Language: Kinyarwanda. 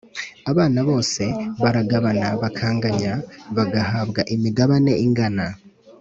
abana bose baragabana bakanganya ; bagahabwa imigabane ingana.